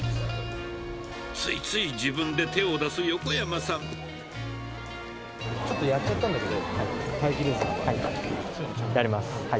ついつい自分で手を出す横山ちょっとやっちゃったんだけはい、やります。